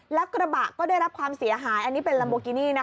แล้วกระบะก็ได้รับความเสียหายอันนี้เป็นลัมโบกินี่นะคะ